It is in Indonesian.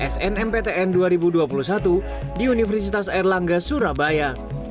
snmptn dua ribu dua puluh satu di universitas erlangga surabaya